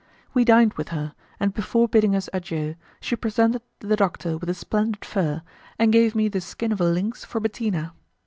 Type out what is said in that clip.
We dined with her, and before bidding us adieu, she presented the doctor with a splendid fur, and gave me the skin of a lynx for Bettina.